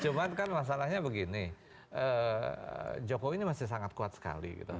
cuman kan masalahnya begini jokowi ini masih sangat kuat sekali gitu